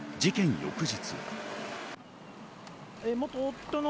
翌日。